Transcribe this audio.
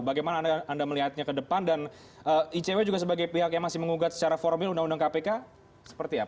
bagaimana anda melihatnya ke depan dan icw juga sebagai pihak yang masih mengugat secara formil undang undang kpk seperti apa